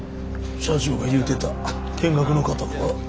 社長が言うてた見学の方か？